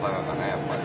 やっぱり。